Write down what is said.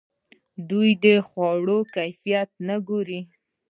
آیا دوی د خوړو کیفیت نه ګوري؟